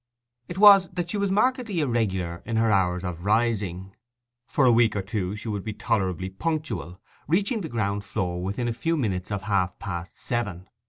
It was that she was markedly irregular in her hours of rising. For a week or two she would be tolerably punctual, reaching the ground floor within a few minutes of half past seven.